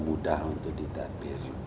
mudah untuk ditampil